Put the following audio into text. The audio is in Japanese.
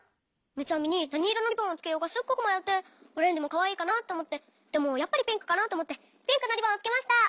みつあみになにいろのリボンをつけようかすっごくまよってオレンジもかわいいかなっておもってでもやっぱりピンクかなっておもってピンクのリボンをつけました。